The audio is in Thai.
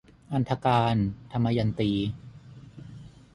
อันธการ - ทมยันตี